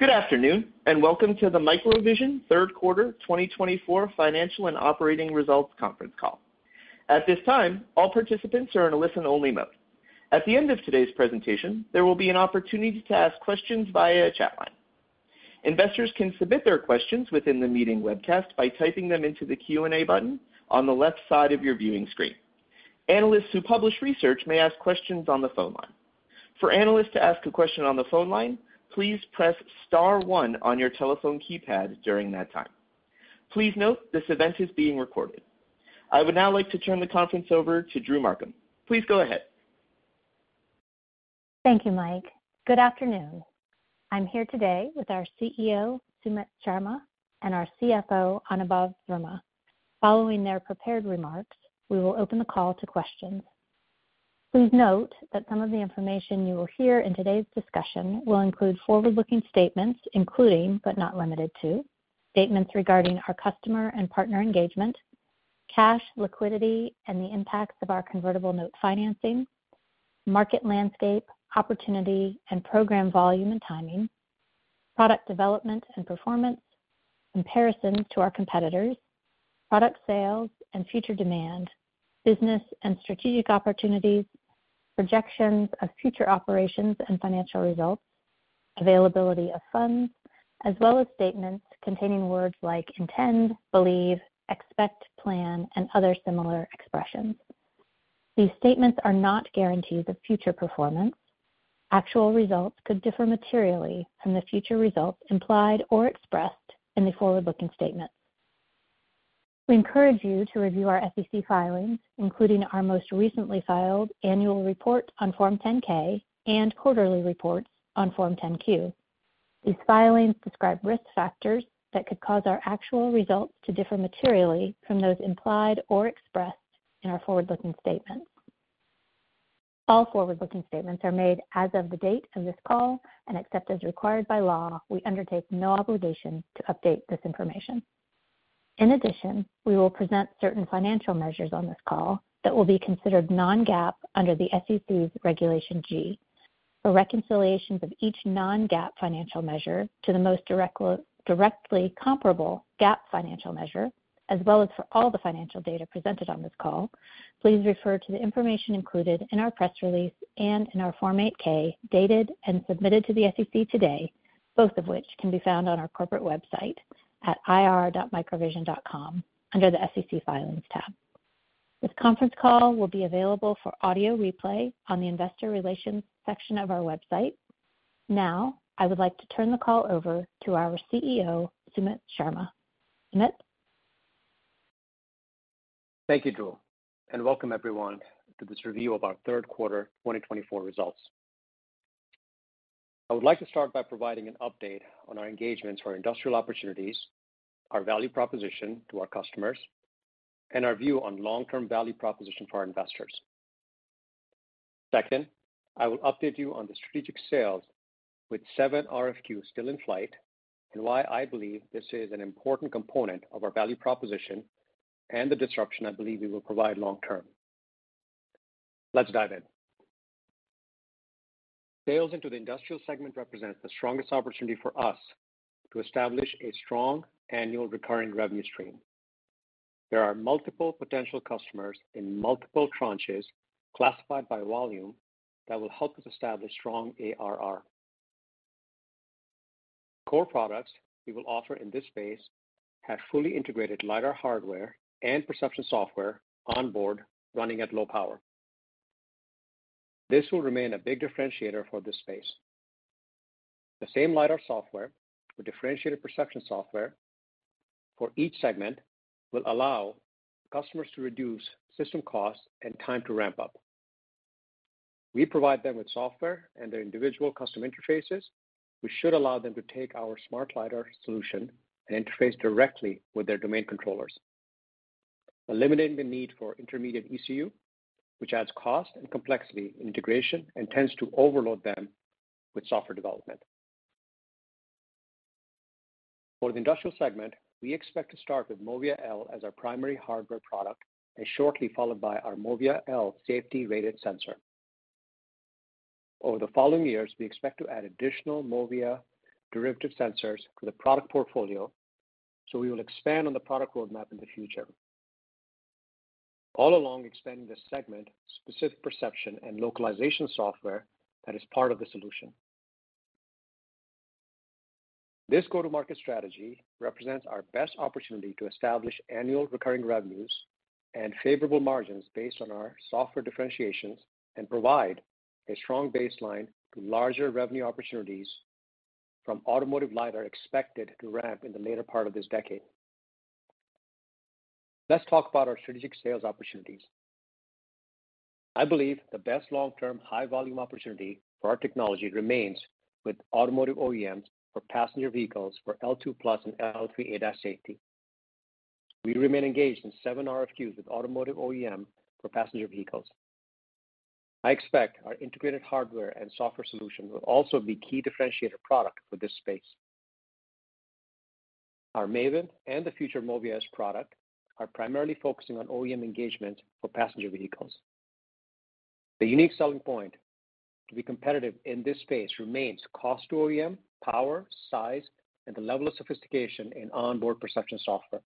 Good afternoon, and welcome to the MicroVision Q3 2024 Financial and Operating Results Conference Call. At this time, all participants are in a listen-only mode. At the end of today's presentation, there will be an opportunity to ask questions via a chat line. Investors can submit their questions within the meeting webcast by typing them into the Q&A button on the left side of your viewing screen. Analysts who publish research may ask questions on the phone line. For analysts to ask a question on the phone line, please press Star one on your telephone keypad during that time. Please note this event is being recorded. I would now like to turn the conference over to Drew Markham. Please go ahead. Thank you, Mike. Good afternoon. I'm here today with our CEO, Sumit Sharma, and our CFO, Anubhav Verma. Following their prepared remarks, we will open the call to questions. Please note that some of the information you will hear in today's discussion will include forward-looking statements, including, but not limited to, statements regarding our customer and partner engagement, cash liquidity and the impacts of our convertible note financing, market landscape, opportunity, and program volume and timing, product development and performance, comparisons to our competitors, product sales and future demand, business and strategic opportunities, projections of future operations and financial results, availability of funds, as well as statements containing words like intend, believe, expect, plan, and other similar expressions. These statements are not guarantees of future performance. Actual results could differ materially from the future results implied or expressed in the forward-looking statements. We encourage you to review our SEC filings, including our most recently filed annual report on Form 10-K and quarterly reports on Form 10-Q. These filings describe risk factors that could cause our actual results to differ materially from those implied or expressed in our forward-looking statements. All forward-looking statements are made as of the date of this call, and except as required by law, we undertake no obligation to update this information. In addition, we will present certain financial measures on this call that will be considered non-GAAP under the SEC's Regulation G. For reconciliations of each non-GAAP financial measure to the most directly comparable GAAP financial measure, as well as for all the financial data presented on this call, please refer to the information included in our press release and in our Form 8-K dated and submitted to the SEC today, both of which can be found on our corporate website at ir.microvision.com under the SEC filings tab. This conference call will be available for audio replay on the Investor Relations section of our website. Now, I would like to turn the call over to our CEO, Sumit Sharma. Sumit. Thank you, Drew, and welcome everyone to this review of our Q3 2024 results. I would like to start by providing an update on our engagements for industrial opportunities, our value proposition to our customers, and our view on long-term value proposition for our investors. Second, I will update you on the strategic sales with seven RFQs still in flight and why I believe this is an important component of our value proposition and the disruption I believe we will provide long-term. Let's dive in. Sales into the industrial segment represents the strongest opportunity for us to establish a strong annual recurring revenue stream. There are multiple potential customers in multiple tranches classified by volume that will help us establish strong ARR. The core products we will offer in this space have fully integrated LiDAR hardware and perception software onboard running at low power. This will remain a big differentiator for this space. The same LiDAR software with differentiated perception software for each segment will allow customers to reduce system costs and time to ramp up. We provide them with software and their individual custom interfaces, which should allow them to take our smart LiDAR solution and interface directly with their domain controllers, eliminating the need for intermediate ECU, which adds cost and complexity in integration and tends to overload them with software development. For the industrial segment, we expect to start with MOVIA L as our primary hardware product and shortly followed by our MOVIA L safety-rated sensor. Over the following years, we expect to add additional MOVIA derivative sensors to the product portfolio, so we will expand on the product roadmap in the future, all along expanding the segment-specific perception and localization software that is part of the solution. This go-to-market strategy represents our best opportunity to establish annual recurring revenues and favorable margins based on our software differentiations and provide a strong baseline to larger revenue opportunities from automotive LiDAR expected to ramp in the later part of this decade. Let's talk about our strategic sales opportunities. I believe the best long-term high-volume opportunity for our technology remains with automotive OEMs for passenger vehicles for L2 Plus and L3 ADAS safety. We remain engaged in seven RFQs with automotive OEMs for passenger vehicles. I expect our integrated hardware and software solution will also be a key differentiator product for this space. Our MAVEN and the future MOVIA S product are primarily focusing on OEM engagements for passenger vehicles. The unique selling point to be competitive in this space remains cost to OEM, power, size, and the level of sophistication in onboard perception software.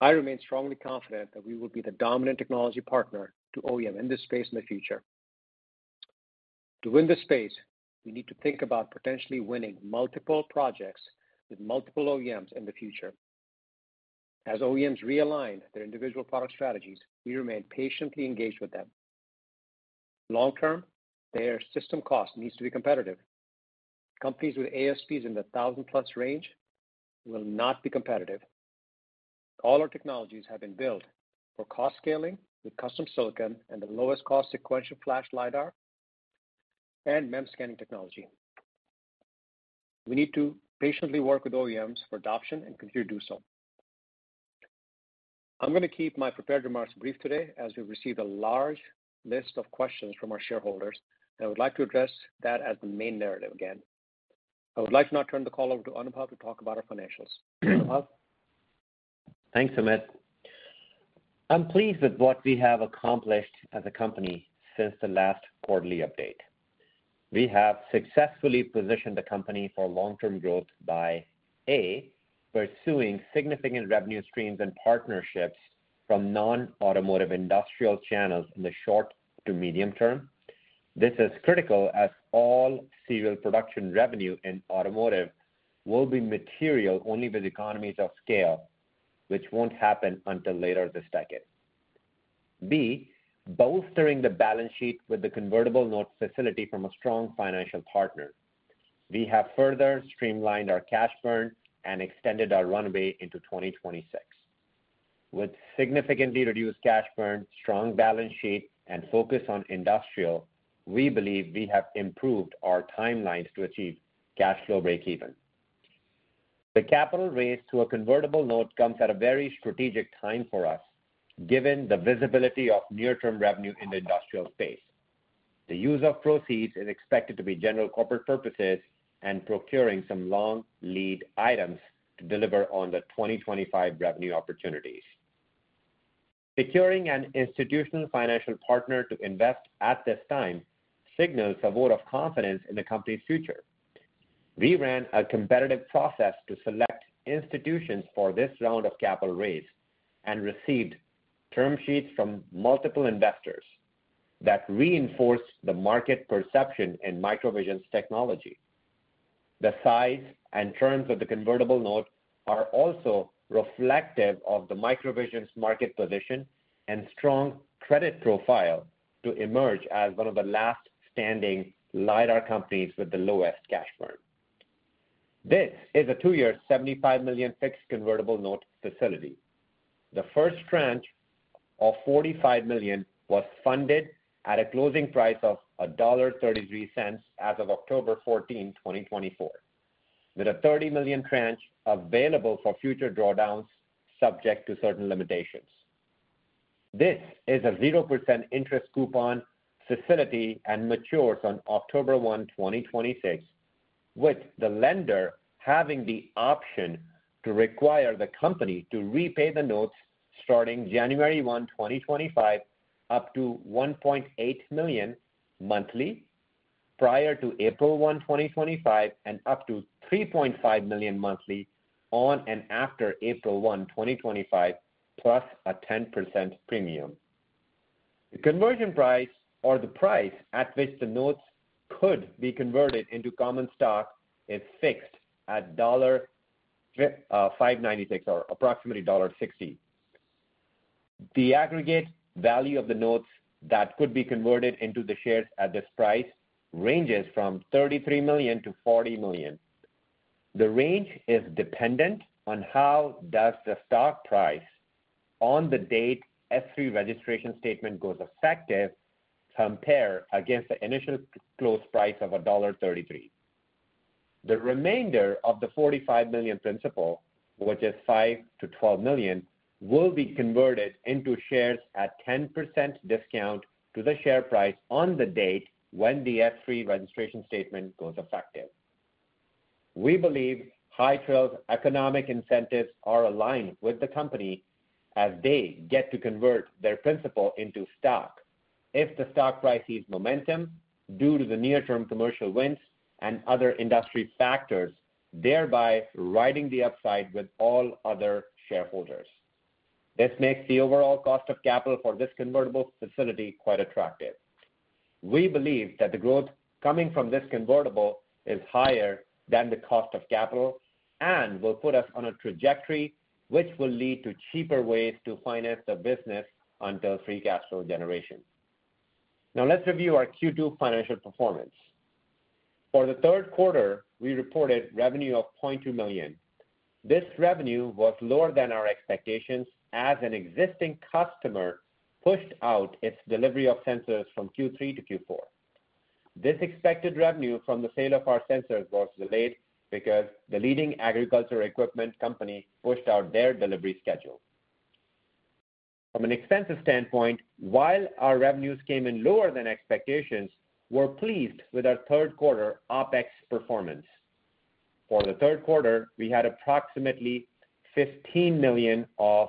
I remain strongly confident that we will be the dominant technology partner to OEMs in this space in the future. To win this space, we need to think about potentially winning multiple projects with multiple OEMs in the future. As OEMs realign their individual product strategies, we remain patiently engaged with them. Long-term, their system cost needs to be competitive. Companies with ASPs in the 1,000-plus range will not be competitive. All our technologies have been built for cost scaling with custom silicon and the lowest cost sequential flash LiDAR and MEMS scanning technology. We need to patiently work with OEMs for adoption and continue to do so. I'm going to keep my prepared remarks brief today as we've received a large list of questions from our shareholders, and I would like to address that as the main narrative again. I would like to now turn the call over to Anubhav to talk about our financials. Thanks, Sumit. I'm pleased with what we have accomplished as a company since the last quarterly update. We have successfully positioned the company for long-term growth by, A, pursuing significant revenue streams and partnerships from non-automotive industrial channels in the short to medium term. This is critical as all serial production revenue in automotive will be material only with economies of scale, which won't happen until later this decade. B, bolstering the balance sheet with the convertible note facility from a strong financial partner. We have further streamlined our cash burn and extended our runway into 2026. With significantly reduced cash burn, strong balance sheet, and focus on industrial, we believe we have improved our timelines to achieve cash flow breakeven. The capital raised to a convertible note comes at a very strategic time for us, given the visibility of near-term revenue in the industrial space. The use of proceeds is expected to be general corporate purposes and procuring some long lead items to deliver on the 2025 revenue opportunities. Securing an institutional financial partner to invest at this time signals a vote of confidence in the company's future. We ran a competitive process to select institutions for this round of capital raise and received term sheets from multiple investors that reinforced the market perception in MicroVision's technology. The size and terms of the convertible note are also reflective of the MicroVision's market position and strong credit profile to emerge as one of the last standing LiDAR companies with the lowest cash burn. This is a two-year, $75 million fixed convertible note facility. The first tranche of $45 million was funded at a closing price of $1.33 as of October 14, 2024, with a $30 million tranche available for future drawdowns subject to certain limitations. This is a 0% interest coupon facility and matures on October 1, 2026, with the lender having the option to require the company to repay the notes starting January 1, 2025, up to $1.8 million monthly prior to April 1, 2025, and up to $3.5 million monthly on and after April 1, 2025, plus a 10% premium. The conversion price, or the price at which the notes could be converted into common stock, is fixed at $5.96 or approximately $1.60. The aggregate value of the notes that could be converted into the shares at this price ranges from $33 million-$40 million. The range is dependent on how does the stock price on the date S-3 registration statement goes effective compared against the initial close price of $1.33. The remainder of the $45 million principal, which is $5 million-$12 million, will be converted into shares at 10% discount to the share price on the date when the S-3 registration statement goes effective. We believe High Trail Capital's economic incentives are aligned with the company as they get to convert their principal into stock if the stock price sees momentum due to the near-term commercial wins and other industry factors, thereby riding the upside with all other shareholders. This makes the overall cost of capital for this convertible facility quite attractive. We believe that the growth coming from this convertible is higher than the cost of capital and will put us on a trajectory which will lead to cheaper ways to finance the business until free cash flow generation. Now, let's review our Q2 financial performance. For the third quarter, we reported revenue of $0.2 million. This revenue was lower than our expectations as an existing customer pushed out its delivery of sensors from Q3-Q4. This expected revenue from the sale of our sensors was delayed because the leading agricultural equipment company pushed out their delivery schedule. From an expense standpoint, while our revenues came in lower than expectations, we're pleased with our third quarter OpEx performance. For the third quarter, we had approximately $15 million of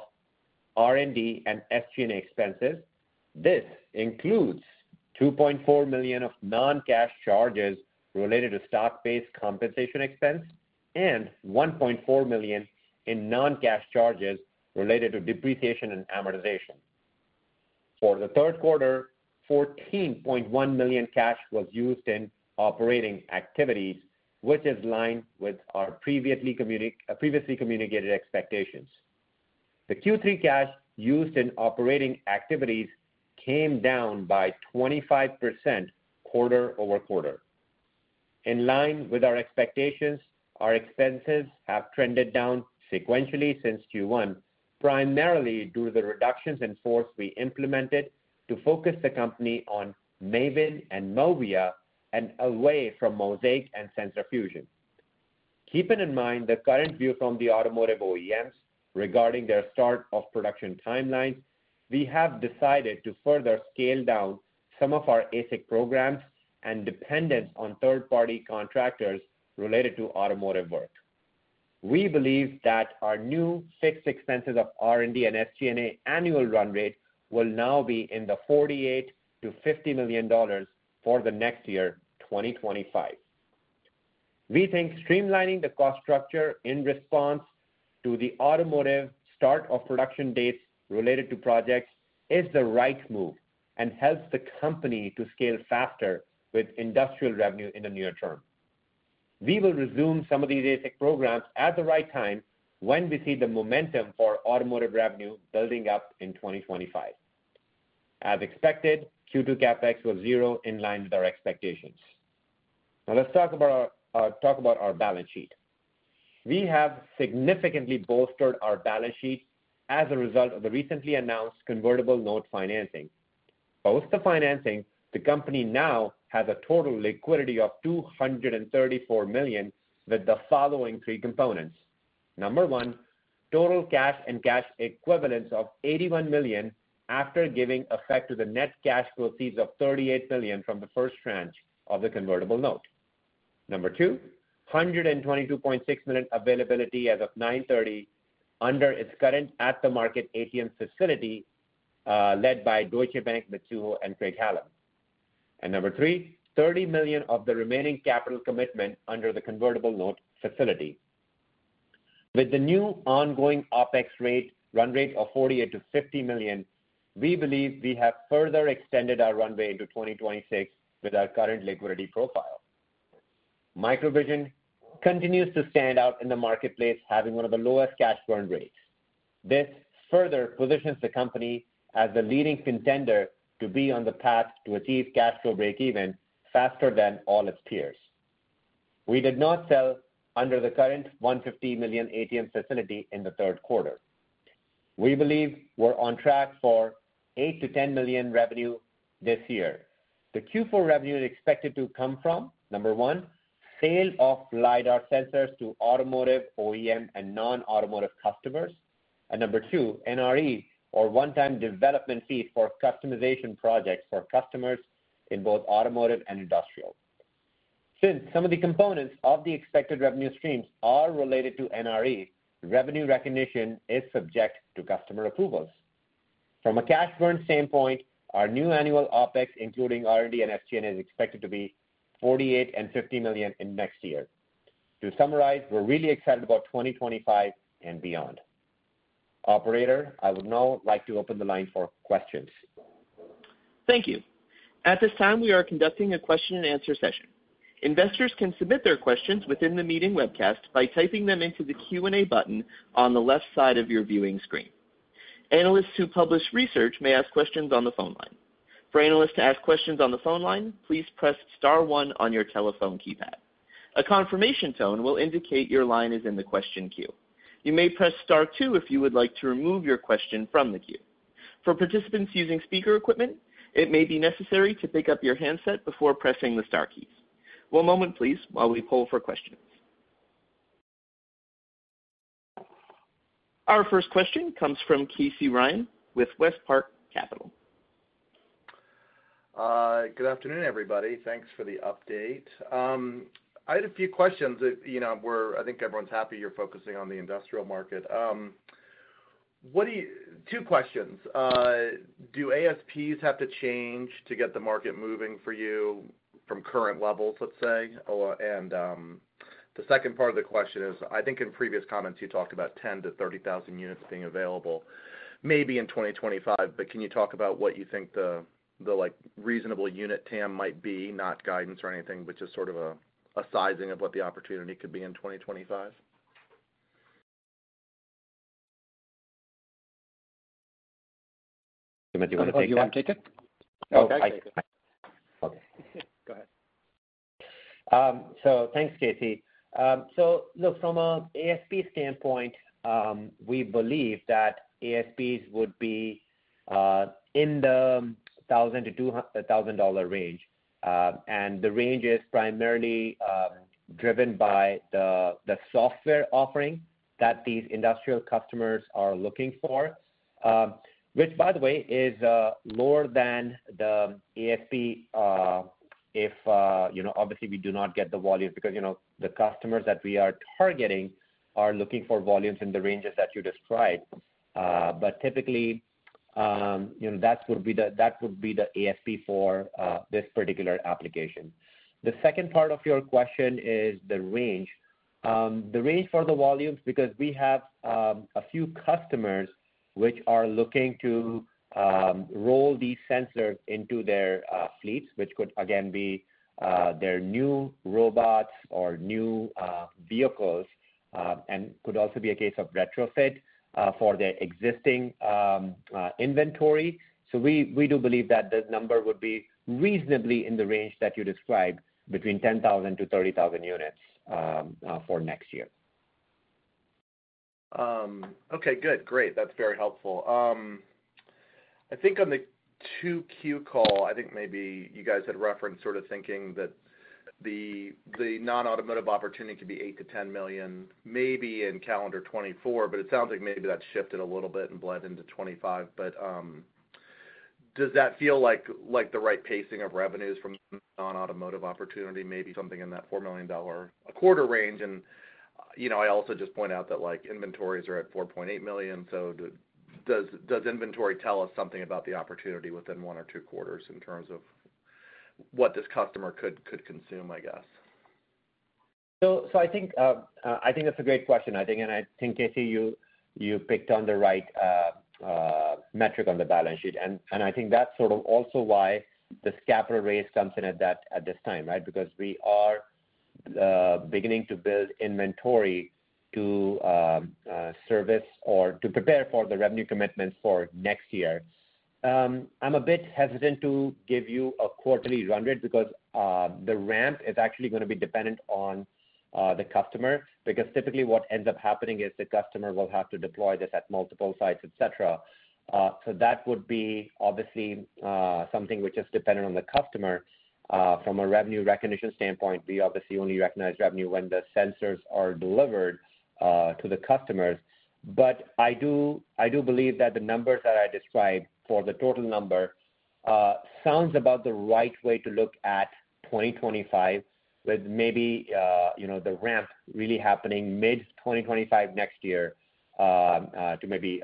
R&D and SG&A expenses. This includes $2.4 million of non-cash charges related to stock-based compensation expense and $1.4 million in non-cash charges related to depreciation and amortization. For the third quarter, $14.1 million cash was used in operating activities, which is aligned with our previously communicated expectations. The Q3 cash used in operating activities came down by 25% quarter over quarter. In line with our expectations, our expenses have trended down sequentially since Q1, primarily due to the reductions in force we implemented to focus the company on MAVEN and MOVIA and away from MOSAIK and Sensor Fusion. Keeping in mind the current view from the automotive OEMs regarding their start of production timelines, we have decided to further scale down some of our ASIC programs and dependence on third-party contractors related to automotive work. We believe that our new fixed expenses of R&D and SG&A annual run rate will now be in the $48-$50 million for the next year, 2025. We think streamlining the cost structure in response to the automotive start of production dates related to projects is the right move and helps the company to scale faster with industrial revenue in the near term. We will resume some of these ASIC programs at the right time when we see the momentum for automotive revenue building up in 2025. As expected, Q2 CapEx was zero in line with our expectations. Now, let's talk about our balance sheet. We have significantly bolstered our balance sheet as a result of the recently announced convertible note financing. Post the financing, the company now has a total liquidity of $234 million with the following three components. Number one, total cash and cash equivalents of $81 million after giving effect to the net cash proceeds of $38 million from the first tranche of the convertible note. Number two, $122.6 million availability as of 9/30 under its current at-the-market ATM facility led by Deutsche Bank, Mizuho & Craig-Hallum Capital Group. Number three, $30 million of the remaining capital commitment under the convertible note facility. With the new ongoing OpEx rate run rate of $48-$50 million, we believe we have further extended our runway into 2026 with our current liquidity profile. MicroVision continues to stand out in the marketplace, having one of the lowest cash burn rates. This further positions the company as the leading contender to be on the path to achieve cash flow breakeven faster than all its peers. We did not sell under the current $150 million ATM facility in the third quarter. We believe we're on track for $8-$10 million revenue this year. The Q4 revenue is expected to come from, number one, sale of LiDAR sensors to automotive OEM and non-automotive customers, and number two, NRE or one-time development fees for customization projects for customers in both automotive and industrial. Since some of the components of the expected revenue streams are related to NRE, revenue recognition is subject to customer approvals. From a cash burn standpoint, our new annual OpEx, including R&D and SG&A, is expected to be $48 million-$50 million in next year. To summarize, we're really excited about 2025 and beyond. Operator, I would now like to open the line for questions. Thank you. At this time, we are conducting a question-and-answer session. Investors can submit their questions within the meeting webcast by typing them into the Q&A button on the left side of your viewing screen. Analysts who publish research may ask questions on the phone line. For analysts to ask questions on the phone line, please press Star one on your telephone keypad. A confirmation tone will indicate your line is in the question queue. You may press Star two if you would like to remove your question from the queue. For participants using speaker equipment, it may be necessary to pick up your handset before pressing the Star keys. One moment, please, while we poll for questions. Our first question comes from Casey Ryan with Westpark Capital. Good afternoon, everybody. Thanks for the update. I had a few questions. I think everyone's happy you're focusing on the industrial market. Two questions. Do ASPs have to change to get the market moving for you from current levels, let's say? And the second part of the question is, I think in previous comments, you talked about 10-30,000 units being available maybe in 2025, but can you talk about what you think the reasonable unit TAM might be, not guidance or anything, but just sort of a sizing of what the opportunity could be in 2025? Do you want to take that? Oh, you want to take it? Okay. I take it. Okay. Go ahead. So thanks, Casey. So look, from an ASP standpoint, we believe that ASPs would be in the $1,000-$2,000 range. And the range is primarily driven by the software offering that these industrial customers are looking for, which, by the way, is lower than the ASP if obviously we do not get the volume because the customers that we are targeting are looking for volumes in the ranges that you described. But typically, that would be the ASP for this particular application. The second part of your question is the range. The range for the volumes, because we have a few customers which are looking to roll these sensors into their fleets, which could, again, be their new robots or new vehicles and could also be a case of retrofit for their existing inventory. So we do believe that the number would be reasonably in the range that you described between 10,000-30,000 units for next year. Okay. Good. Great. That's very helpful. I think on the Q2 call, I think maybe you guys had referenced sort of thinking that the non-automotive opportunity could be $8 million-$10 million, maybe in calendar 2024, but it sounds like maybe that shifted a little bit and bled into 2025. But does that feel like the right pacing of revenues from the non-automotive opportunity, maybe something in that $4 million a quarter range? And I also just point out that inventories are at $4.8 million. So does inventory tell us something about the opportunity within one or two quarters in terms of what this customer could consume, I guess? I think that's a great question. And I think, Casey, you picked on the right metric on the balance sheet. And I think that's sort of also why this capital raise comes in at this time, right? Because we are beginning to build inventory to service or to prepare for the revenue commitments for next year. I'm a bit hesitant to give you a quarterly run rate because the ramp is actually going to be dependent on the customer. Because typically what ends up happening is the customer will have to deploy this at multiple sites, etc. So that would be obviously something which is dependent on the customer. From a revenue recognition standpoint, we obviously only recognize revenue when the sensors are delivered to the customers. But I do believe that the numbers that I described for the total number sound about the right way to look at 2025, with maybe the ramp really happening mid-2025 next year to maybe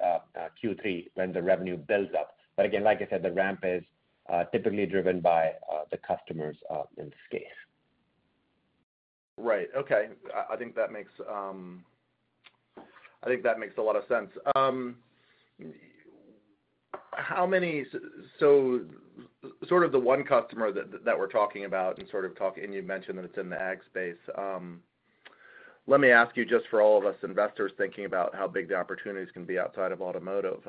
Q3 when the revenue builds up. But again, like I said, the ramp is typically driven by the customers in this case. Right. Okay. I think that makes a lot of sense. So sort of the one customer that we're talking about and sort of talking, and you mentioned that it's in the ag space. Let me ask you just for all of us investors thinking about how big the opportunities can be outside of automotive.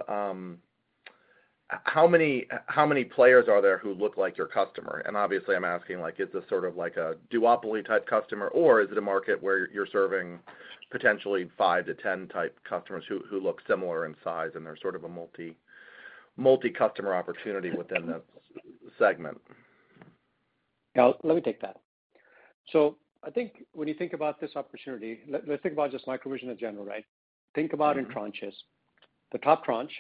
How many players are there who look like your customer? And obviously, I'm asking, is this sort of like a duopoly type customer, or is it a market where you're serving potentially five to 10 type customers who look similar in size and there's sort of a multi-customer opportunity within the segment? Let me take that. So I think when you think about this opportunity, let's think about just MicroVision in general, right? Think about in tranches. The top tranche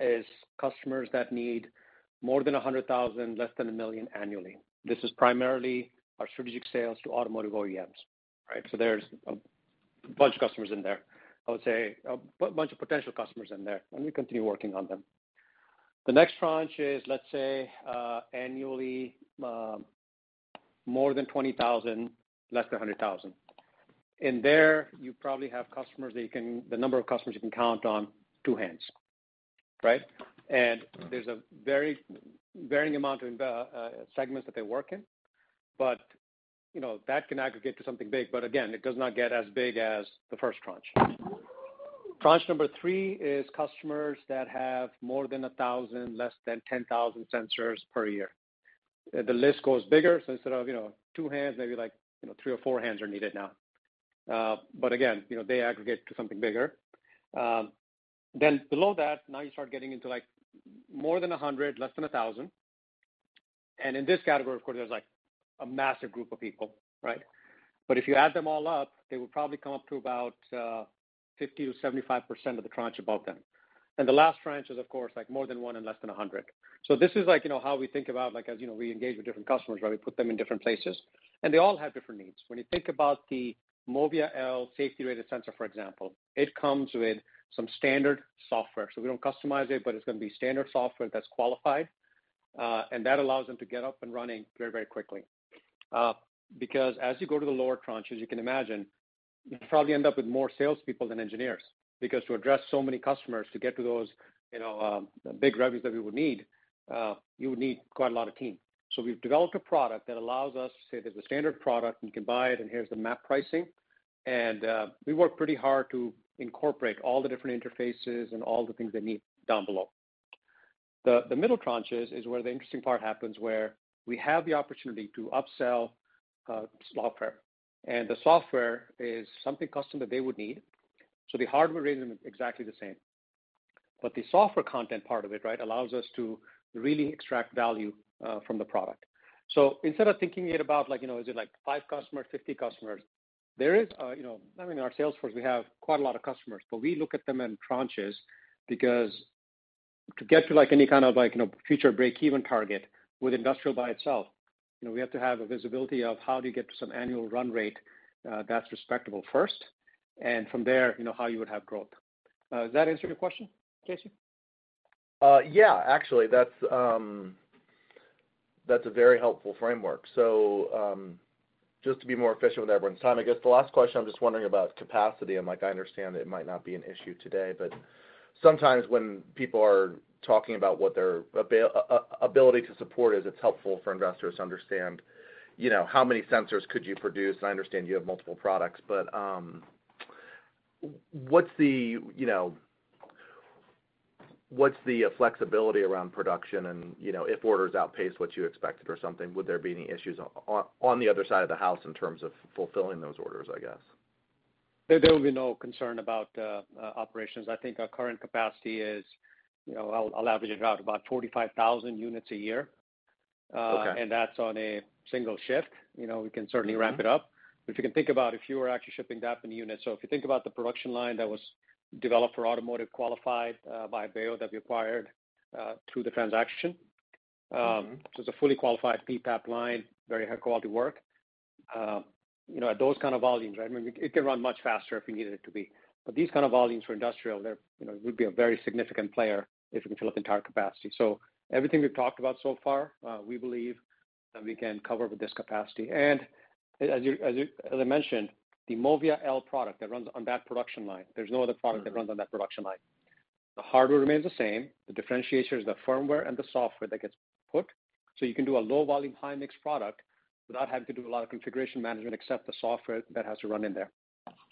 is customers that need more than 100,000, less than a million annually. This is primarily our strategic sales to automotive OEMs, right? So there's a bunch of customers in there. I would say a bunch of potential customers in there, and we continue working on them. The next tranche is, let's say, annually more than 20,000, less than 100,000. In there, you probably have customers that the number of customers you can count on two hands, right? And there's a very varying amount of segments that they work in, but that can aggregate to something big. But again, it does not get as big as the first tranche. Tranche number three is customers that have more than 1,000, less than 10,000 sensors per year. The list goes bigger so instead of two hands, maybe three or four hands are needed now, but again, they aggregate to something bigger then below that, now you start getting into more than 100, less than 1,000 and in this category, of course, there's a massive group of people, right, but if you add them all up, they would probably come up to about 50%-75% of the tranche above them and the last tranche is, of course, more than one and less than 100 so this is how we think about, as we engage with different customers, right? We put them in different places, and they all have different needs. When you think about the Movia L safety-rated sensor, for example, it comes with some standard software. So we don't customize it, but it's going to be standard software that's qualified. And that allows them to get up and running very, very quickly. Because as you go to the lower tranches, you can imagine you probably end up with more salespeople than engineers. Because to address so many customers, to get to those big revenues that we would need, you would need quite a lot of team. So we've developed a product that allows us to say there's a standard product, you can buy it, and here's the MAP pricing. And we work pretty hard to incorporate all the different interfaces and all the things they need down below. The middle tranches is where the interesting part happens, where we have the opportunity to upsell software. And the software is something custom that they would need. So the hardware isn't exactly the same. But the software content part of it, right, allows us to really extract value from the product. So instead of thinking it about, is it like five customers, 50 customers? There is, I mean, our Salesforce, we have quite a lot of customers, but we look at them in tranches because to get to any kind of future breakeven target with industrial by itself, we have to have a visibility of how do you get to some annual run rate that's respectable first, and from there, how you would have growth. Does that answer your question, Casey? Yeah. Actually, that's a very helpful framework. So just to be more efficient with everyone's time, I guess the last question, I'm just wondering about capacity. And I understand it might not be an issue today, but sometimes when people are talking about what their ability to support is, it's helpful for investors to understand how many sensors could you produce? And I understand you have multiple products, but what's the flexibility around production? And if orders outpace what you expected or something, would there be any issues on the other side of the house in terms of fulfilling those orders, I guess? There will be no concern about operations. I think our current capacity is, I'll average it out, about 45,000 units a year, and that's on a single shift. We can certainly ramp it up, but if you can think about if you were actually shipping that many units, so if you think about the production line that was developed for automotive-qualified by Ibeo that we acquired through the transaction, so it's a fully qualified PPAP line, very high-quality work, at those kind of volumes, right? I mean, it can run much faster if we needed it to be, but these kind of volumes for industrial, it would be a very significant player if you can fill up the entire capacity, so everything we've talked about so far, we believe that we can cover with this capacity. As I mentioned, the MOVIA L product that runs on that production line, there's no other product that runs on that production line. The hardware remains the same. The differentiator is the firmware and the software that gets put, so you can do a low-volume, high-mix product without having to do a lot of configuration management except the software that has to run in there,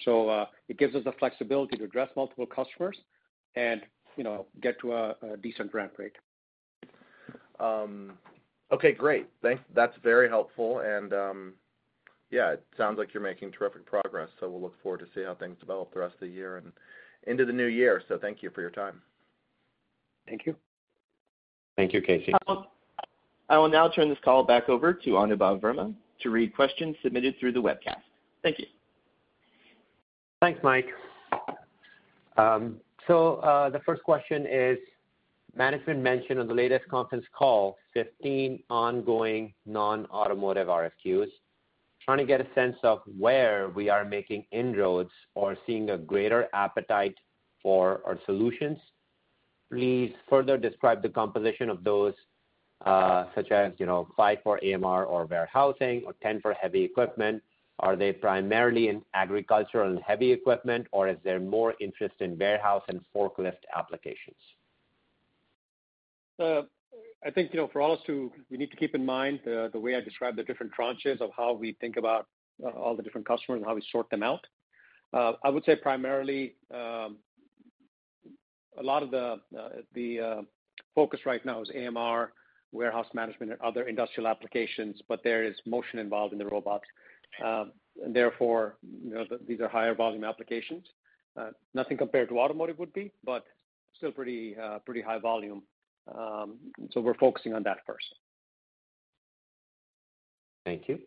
so it gives us the flexibility to address multiple customers and get to a decent ramp rate. Okay. Great. That's very helpful. And yeah, it sounds like you're making terrific progress. So we'll look forward to see how things develop the rest of the year and into the new year. So thank you for your time. Thank you. Thank you, Casey. I will now turn this call back over to Anubhav Verma to read questions submitted through the webcast. Thank you. Thanks, Mike. So the first question is, management mentioned on the latest conference call, 15 ongoing non-automotive RFQs. Trying to get a sense of where we are making inroads or seeing a greater appetite for our solutions. Please further describe the composition of those, such as five for AMR or warehousing or 10 for heavy equipment. Are they primarily in agricultural and heavy equipment, or is there more interest in warehouse and forklift applications? I think for all of us too, we need to keep in mind the way I described the different tranches of how we think about all the different customers and how we sort them out. I would say primarily, a lot of the focus right now is AMR, warehouse management, and other industrial applications, but there is motion involved in the robots, and therefore, these are higher volume applications. Nothing compared to automotive would be, but still pretty high volume, so we're focusing on that first. Thank you.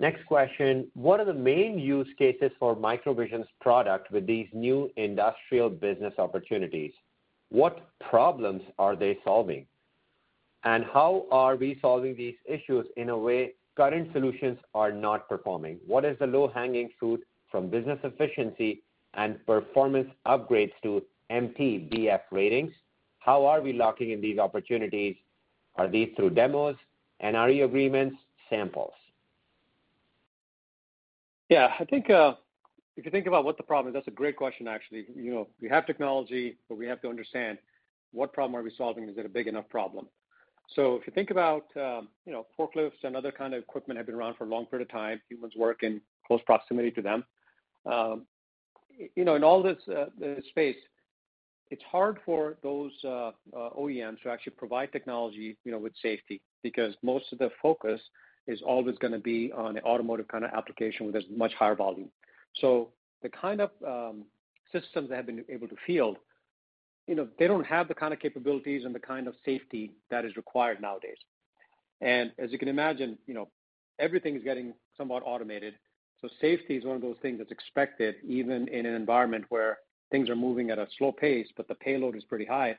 Next question. What are the main use cases for MicroVision's product with these new industrial business opportunities? What problems are they solving? And how are we solving these issues in a way current solutions are not performing? What is the low-hanging fruit from business efficiency and performance upgrades to MTBF ratings? How are we locking in these opportunities? Are these through demos? And are your agreements samples? Yeah. I think if you think about what the problem is, that's a great question, actually. We have technology, but we have to understand what problem are we solving? Is it a big enough problem? So if you think about forklifts and other kinds of equipment that have been around for a long period of time, humans work in close proximity to them. In all this space, it's hard for those OEMs to actually provide technology with safety because most of the focus is always going to be on an automotive kind of application with a much higher volume. So the kind of systems that have been able to field, they don't have the kind of capabilities and the kind of safety that is required nowadays. And as you can imagine, everything is getting somewhat automated. So safety is one of those things that's expected, even in an environment where things are moving at a slow pace, but the payload is pretty high,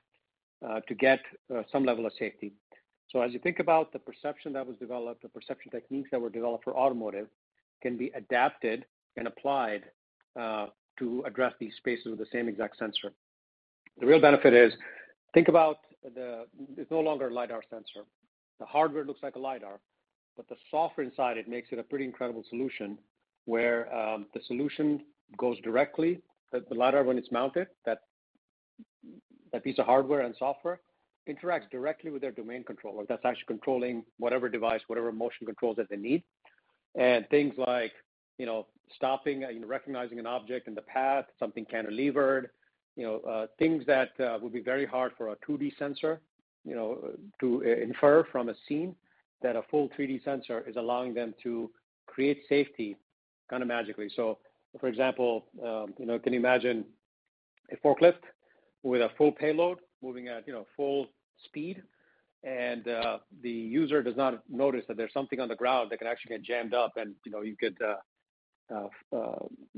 to get some level of safety. So as you think about the perception that was developed, the perception techniques that were developed for automotive can be adapted and applied to address these spaces with the same exact sensor. The real benefit is, think about it's no longer a LiDAR sensor. The hardware looks like a LiDAR, but the software inside it makes it a pretty incredible solution where the solution goes directly. The LiDAR, when it's mounted, that piece of hardware and software interacts directly with their domain controller. That's actually controlling whatever device, whatever motion controls that they need. And things like stopping, recognizing an object in the path, something cantilevered, things that would be very hard for a 2D sensor to infer from a scene that a full 3D sensor is allowing them to create safety kind of magically. So for example, can you imagine a forklift with a full payload moving at full speed, and the user does not notice that there's something on the ground that can actually get jammed up, and you could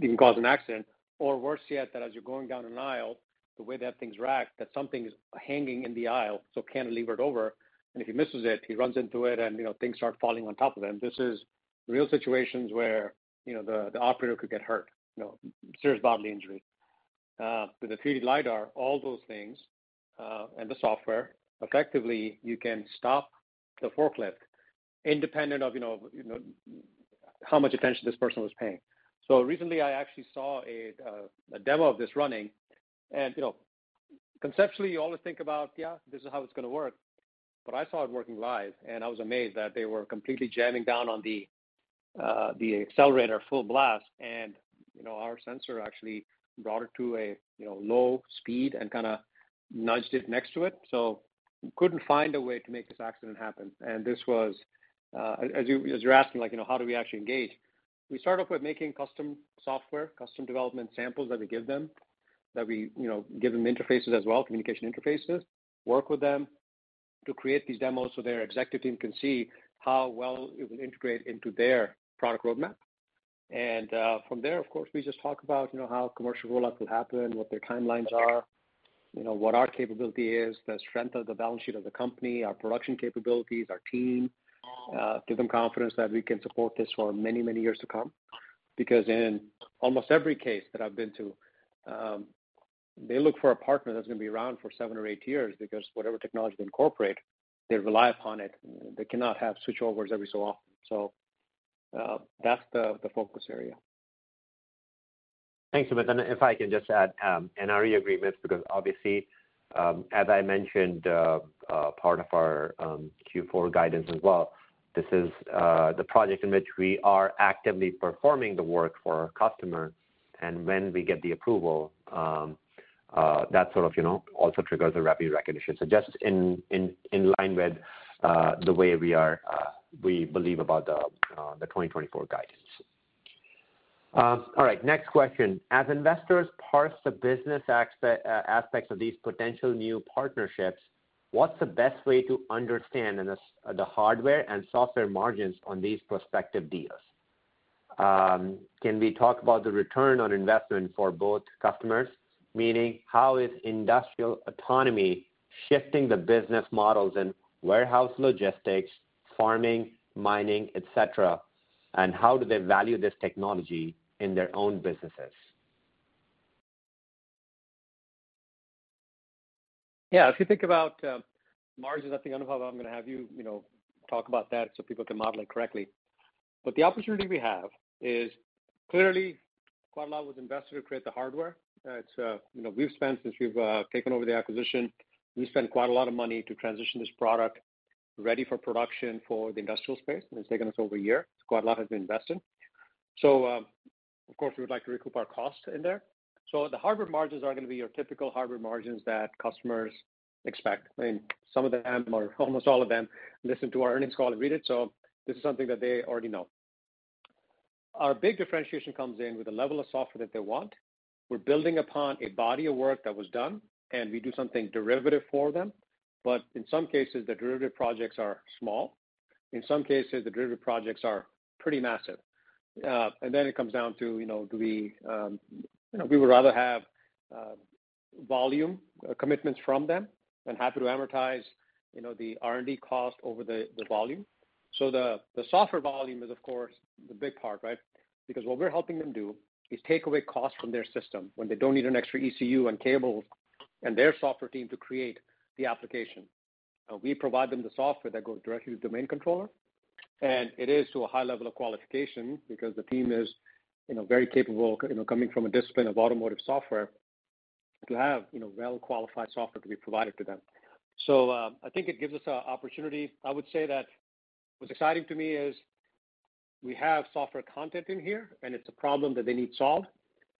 even cause an accident? Or worse yet, that as you're going down an aisle, the way that things rack, that something's hanging in the aisle, so cantilevered over. And if he misses it, he runs into it, and things start falling on top of him. This is real situations where the operator could get hurt, serious bodily injury. With the 3D LiDAR, all those things and the software, effectively, you can stop the forklift independent of how much attention this person was paying. So recently, I actually saw a demo of this running. And conceptually, you always think about, "Yeah, this is how it's going to work." But I saw it working live, and I was amazed that they were completely jamming down on the accelerator full blast. And our sensor actually brought it to a low speed and kind of nudged it next to it. So we couldn't find a way to make this accident happen. And this was, as you're asking, how do we actually engage? We started off with making custom software, custom development samples that we give them, that we give them interfaces as well, communication interfaces, work with them to create these demos so their executive team can see how well it will integrate into their product roadmap, and from there, of course, we just talk about how commercial rollout will happen, what their timelines are, what our capability is, the strength of the balance sheet of the company, our production capabilities, our team, give them confidence that we can support this for many, many years to come. Because in almost every case that I've been to, they look for a partner that's going to be around for seven or eight years because whatever technology they incorporate, they rely upon it. They cannot have switchovers every so often, so that's the focus area. Thank you. But then if I can just add, and our agreements, because obviously, as I mentioned, part of our Q4 guidance as well, this is the project in which we are actively performing the work for our customer. And when we get the approval, that sort of also triggers a revenue recognition. So just in line with the way we believe about the 2024 guidance. All right. Next question. As investors parse the business aspects of these potential new partnerships, what's the best way to understand the hardware and software margins on these prospective deals? Can we talk about the return on investment for both customers? Meaning, how is industrial autonomy shifting the business models in warehouse logistics, farming, mining, etc., and how do they value this technology in their own businesses? Yeah. If you think about margins, I think Anubhav, I'm going to have you talk about that so people can model it correctly. But the opportunity we have is clearly quite a lot was invested to create the hardware. We've spent, since we've taken over the acquisition, we spent quite a lot of money to transition this product ready for production for the industrial space. And it's taken us over a year. It's quite a lot has been invested. So of course, we would like to recoup our cost in there. So the hardware margins are going to be your typical hardware margins that customers expect. I mean, some of them, or almost all of them, listen to our earnings call and read it. So this is something that they already know. Our big differentiation comes in with the level of software that they want. We're building upon a body of work that was done, and we do something derivative for them. But in some cases, the derivative projects are small. In some cases, the derivative projects are pretty massive. And then it comes down to, do we would rather have volume commitments from them and happy to amortize the R&D cost over the volume. So the software volume is, of course, the big part, right? Because what we're helping them do is take away costs from their system when they don't need an extra ECU and cables and their software team to create the application. We provide them the software that goes directly to the domain controller. And it is to a high level of qualification because the team is very capable, coming from a discipline of automotive software, to have well-qualified software to be provided to them. So I think it gives us an opportunity. I would say that what's exciting to me is we have software content in here, and it's a problem that they need solved.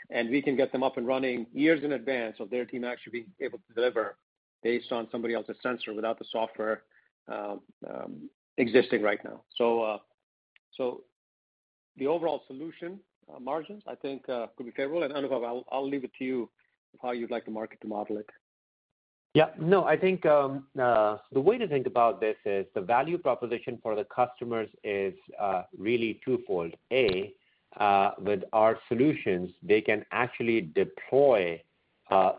And we can get them up and running years in advance of their team actually being able to deliver based on somebody else's sensor without the software existing right now. So the overall solution margins, I think, could be favorable. And Anubhav, I'll leave it to you how you'd like the market to model it. Yeah. No, I think the way to think about this is the value proposition for the customers is really twofold. A, with our solutions, they can actually deploy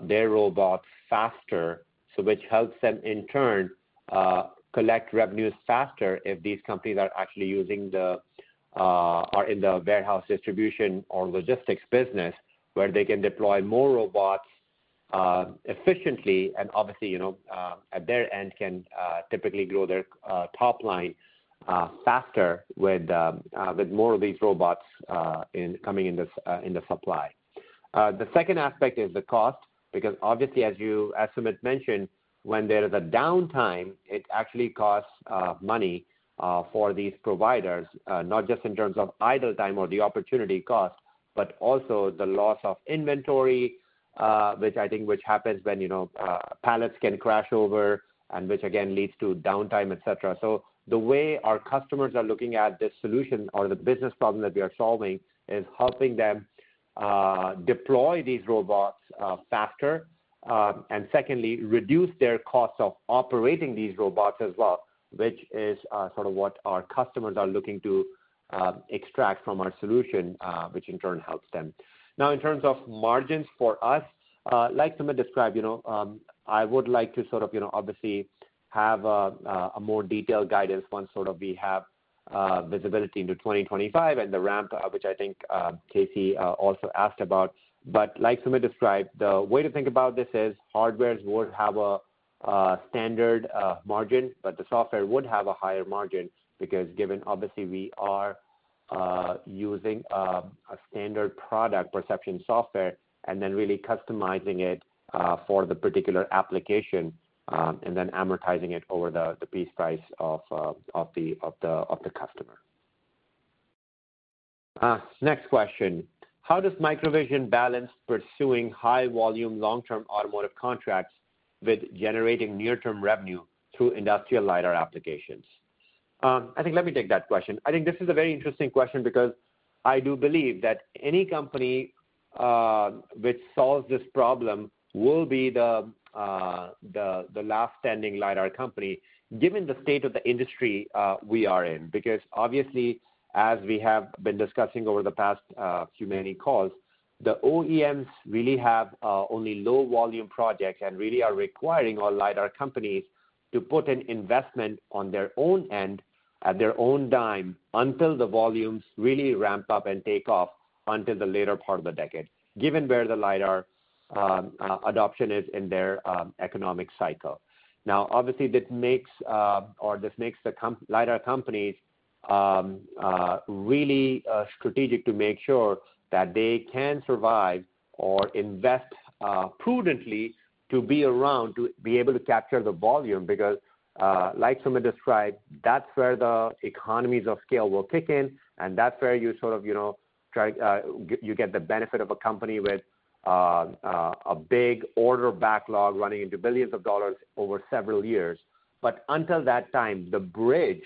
their robots faster, which helps them, in turn, collect revenues faster if these companies are actually using the or in the warehouse distribution or logistics business, where they can deploy more robots efficiently. And obviously, at their end, can typically grow their top line faster with more of these robots coming into supply. The second aspect is the cost because, obviously, as you mentioned, when there is a downtime, it actually costs money for these providers, not just in terms of idle time or the opportunity cost, but also the loss of inventory, which I think happens when pallets can crash over and which, again, leads to downtime, etc. So the way our customers are looking at this solution or the business problem that we are solving is helping them deploy these robots faster. And secondly, reduce their costs of operating these robots as well, which is sort of what our customers are looking to extract from our solution, which in turn helps them. Now, in terms of margins for us, like Sumit described, I would like to sort of obviously have a more detailed guidance once sort of we have visibility into 2025 and the ramp, which I think Casey also asked about. But like Sumit described, the way to think about this is hardware would have a standard margin, but the software would have a higher margin because, given obviously we are using a standard product perception software and then really customizing it for the particular application and then amortizing it over the piece price of the customer. Next question. How does MicroVision balance pursuing high-volume long-term automotive contracts with generating near-term revenue through industrial LiDAR applications? I think, let me take that question. I think this is a very interesting question because I do believe that any company which solves this problem will be the last standing LiDAR company, given the state of the industry we are in. Because obviously, as we have been discussing over the past few many calls, the OEMs really have only low-volume projects and really are requiring all LiDAR companies to put an investment on their own end at their own dime until the volumes really ramp up and take off until the later part of the decade, given where the LiDAR adoption is in their economic cycle. Now, obviously, this makes the LiDAR companies really strategic to make sure that they can survive or invest prudently to be around to be able to capture the volume because, like Sumit described, that's where the economies of scale will kick in, and that's where you sort of get the benefit of a company with a big order backlog running into billions of dollars over several years. But until that time, the bridge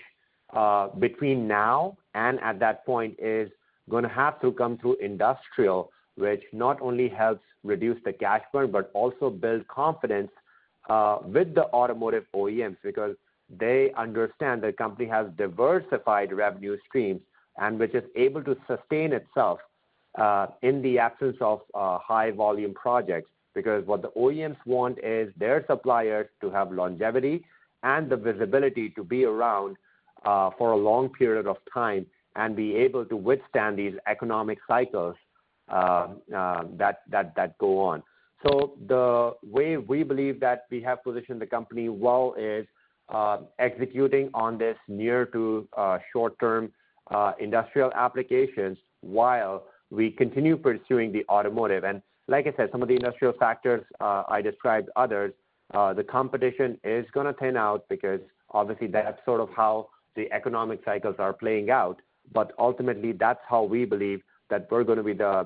between now and at that point is going to have to come through industrial, which not only helps reduce the cash burn, but also build confidence with the automotive OEMs because they understand the company has diversified revenue streams and which is able to sustain itself in the absence of high-volume projects. Because what the OEMs want is their suppliers to have longevity and the visibility to be around for a long period of time and be able to withstand these economic cycles that go on. So the way we believe that we have positioned the company well is executing on this near to short-term industrial applications while we continue pursuing the automotive. And like I said, some of the industrial factors I described, others, the competition is going to thin out because obviously that's sort of how the economic cycles are playing out. But ultimately, that's how we believe that we're going to be the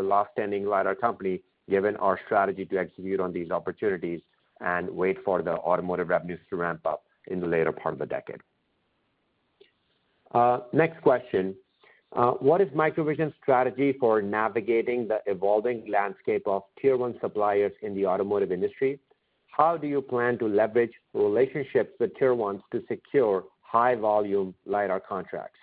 last standing LiDAR company, given our strategy to execute on these opportunities and wait for the automotive revenues to ramp up in the later part of the decade. Next question. What is MicroVision's strategy for navigating the evolving landscape of tier one suppliers in the automotive industry? How do you plan to leverage relationships with tier ones to secure high-volume LiDAR contracts?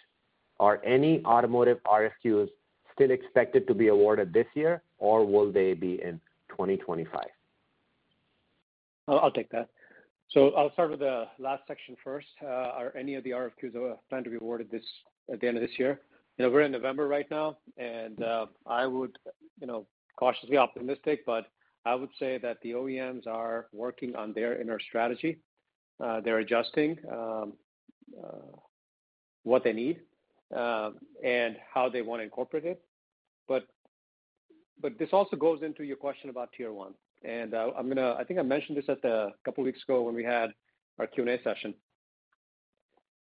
Are any automotive RFQs still expected to be awarded this year, or will they be in 2025? I'll take that. So I'll start with the last section first. Are any of the RFQs planned to be awarded at the end of this year? We're in November right now, and I would cautiously be optimistic, but I would say that the OEMs are working on their inner strategy. They're adjusting what they need and how they want to incorporate it. But this also goes into your question about tier one. And I think I mentioned this a couple of weeks ago when we had our Q&A session.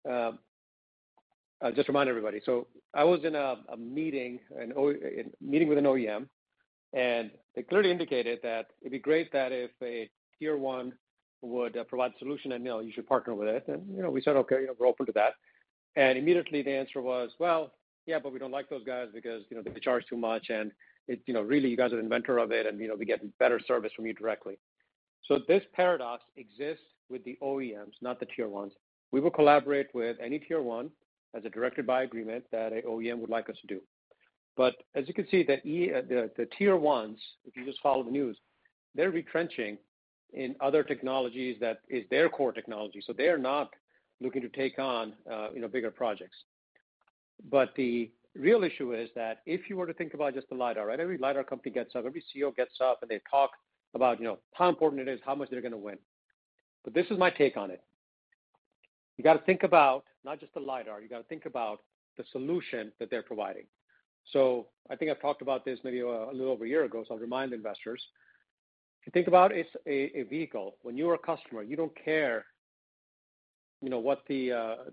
I'll just remind everybody. So I was in a meeting with an OEM, and they clearly indicated that it'd be great that if a tier one would provide a solution and you should partner with it. And we said, "Okay, we're open to that." And immediately the answer was, "Well, yeah, but we don't like those guys because they charge too much, and really, you guys are the inventor of it, and we get better service from you directly." So this paradox exists with the OEMs, not the tier ones. We will collaborate with any tier one as a directed-by agreement that an OEM would like us to do. But as you can see, the tier ones, if you just follow the news, they're retrenching in other technologies that is their core technology. So they are not looking to take on bigger projects. But the real issue is that if you were to think about just the LiDAR, right? Every LiDAR company gets up, every CEO gets up, and they talk about how important it is, how much they're going to win. But this is my take on it. You got to think about not just the LiDAR. You got to think about the solution that they're providing. So I think I've talked about this maybe a little over a year ago, so I'll remind investors. If you think about it, it's a vehicle. When you are a customer, you don't care what the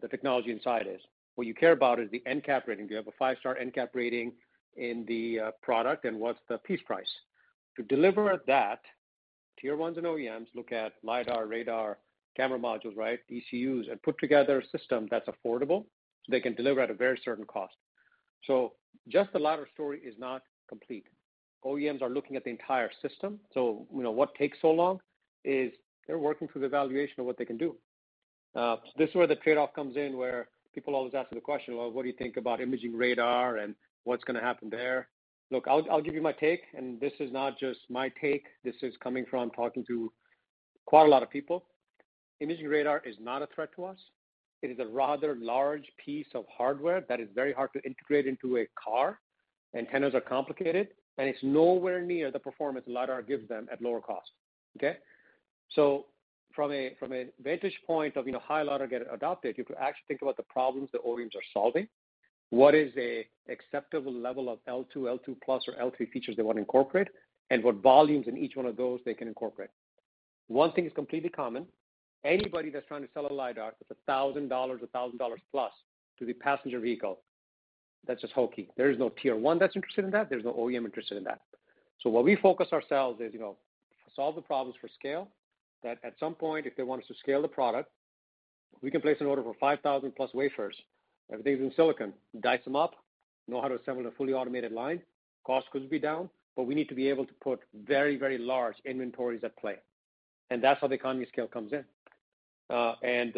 technology inside is. What you care about is the NCAP rating. Do you have a five-star NCAP rating in the product, and what's the piece price? To deliver that, tier ones and OEMs look at LiDAR, radar, camera modules, right? ECUs, and put together a system that's affordable so they can deliver at a very certain cost. So just the LiDAR story is not complete. OEMs are looking at the entire system. So what takes so long is they're working through the evaluation of what they can do. This is where the trade-off comes in, where people always ask the question, "Well, what do you think about imaging radar and what's going to happen there?" Look, I'll give you my take, and this is not just my take. This is coming from talking to quite a lot of people. Imaging radar is not a threat to us. It is a rather large piece of hardware that is very hard to integrate into a car. Antennas are complicated, and it's nowhere near the performance LiDAR gives them at lower cost. Okay? So from a vantage point of how LiDAR gets adopted, you have to actually think about the problems the OEMs are solving, what is an acceptable level of L2, L2 plus, or L3 features they want to incorporate, and what volumes in each one of those they can incorporate. One thing is completely common. Anybody that's trying to sell a LiDAR that's $1,000, $1,000 plus to the passenger vehicle, that's just hokey. There is no tier one that's interested in that. There's no OEM interested in that, so what we focus ourselves is to solve the problems for scale, that at some point, if they want us to scale the product, we can place an order for 5,000 plus wafers. Everything's in silicon. Dice them up, know how to assemble a fully automated line. Cost could be down, but we need to be able to put very, very large inventories at play, and that's how the economy scale comes in, and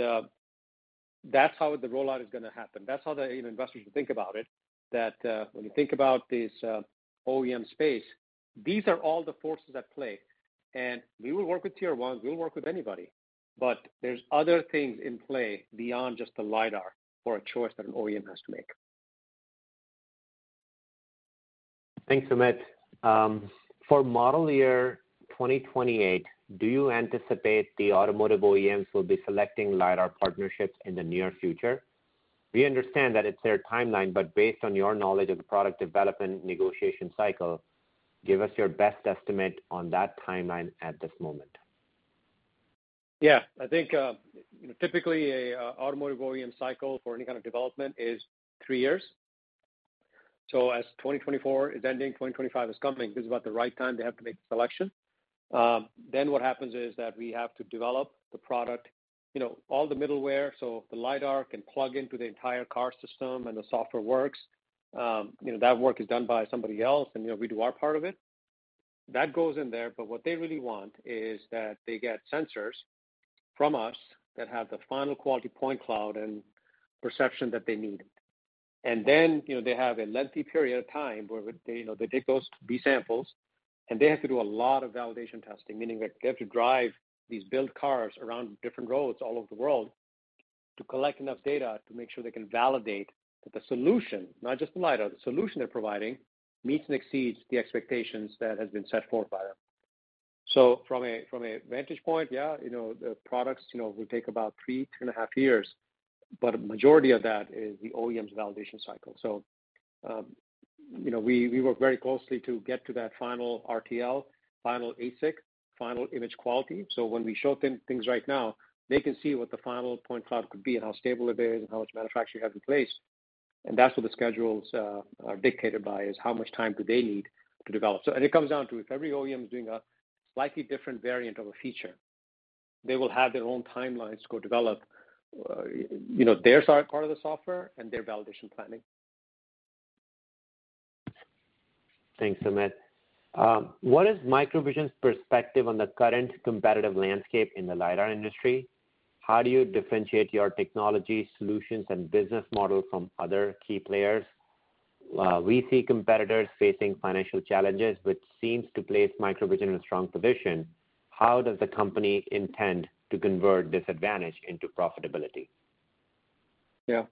that's how the rollout is going to happen. That's how the investors should think about it, that when you think about this OEM space, these are all the forces at play, and we will work with tier ones. We will work with anybody. But there's other things in play beyond just the LiDAR or a choice that an OEM has to make. Thanks, Sumit. For model year 2028, do you anticipate the automotive OEMs will be selecting LiDAR partnerships in the near future? We understand that it's their timeline, but based on your knowledge of the product development negotiation cycle, give us your best estimate on that timeline at this moment. Yeah. I think typically an automotive OEM cycle for any kind of development is three years. As 2024 is ending, 2025 is coming. This is about the right time they have to make a selection. Then what happens is that we have to develop the product, all the middleware, so the LiDAR can plug into the entire car system and the software works. That work is done by somebody else, and we do our part of it. That goes in there. But what they really want is that they get sensors from us that have the final quality point cloud and perception that they need. And then they have a lengthy period of time where they take those B samples, and they have to do a lot of validation testing, meaning that they have to drive these build cars around different roads all over the world to collect enough data to make sure they can validate that the solution, not just the LiDAR, the solution they're providing meets and exceeds the expectations that have been set forth by them. So from a vantage point, yeah, the products will take about three, three and a half years, but a majority of that is the OEM's validation cycle. So we work very closely to get to that final RTL, final ASIC, final image quality. So when we show them things right now, they can see what the final point cloud could be and how stable it is and how much manufacturing you have in place. And that's what the schedules are dictated by: is how much time do they need to develop? And it comes down to if every OEM is doing a slightly different variant of a feature, they will have their own timelines to go develop their part of the software and their validation planning. Thanks, Sumit. What is MicroVision's perspective on the current competitive landscape in the LiDAR industry? How do you differentiate your technology solutions and business model from other key players? We see competitors facing financial challenges, which seems to place MicroVision in a strong position. How does the company intend to convert this advantage into profitability? Yeah.